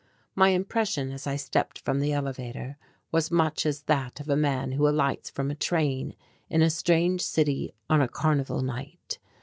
My impression, as I stepped from the elevator, was much as that of a man who alights from a train in a strange city on a carnival night.